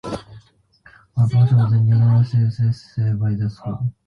A portion of the Near Northwest district is served by the school.